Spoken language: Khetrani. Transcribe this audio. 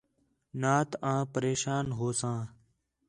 نات آں پریشان ہوساں